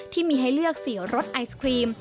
ที่มีให้เลือก๔รสไอศครีม